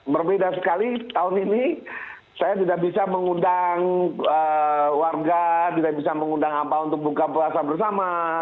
berbeda sekali tahun ini saya tidak bisa mengundang warga tidak bisa mengundang apa untuk buka puasa bersama